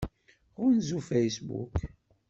Ɣunzu Facebook.